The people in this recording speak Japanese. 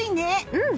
うん。